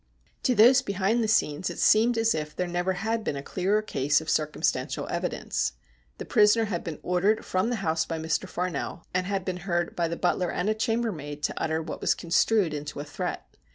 To those behind the scenes it seemed as if there never had been a clearer case of circumstantial evidence. The prisoner had been ordered from the house by Mr. Farnell, and had been heard by the butler and a chambermaid to utter what was con strued into a threat.